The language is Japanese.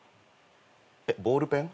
えっボールペン？